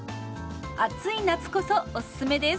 暑い夏こそおすすめです。